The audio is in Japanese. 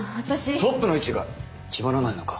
トップの位置が決まらないのか？